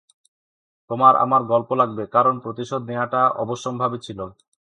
তোমার আমার গল্প লাগবে কারণ প্রতিশোধ নেয়াটা অবশ্যম্ভাবী ছিল।